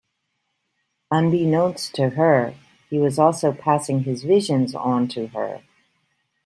Unbeknownst to her, he was also passing his visions on to her.